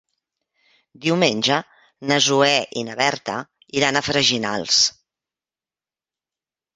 Diumenge na Zoè i na Berta iran a Freginals.